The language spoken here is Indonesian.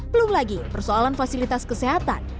belum lagi persoalan fasilitas kesehatan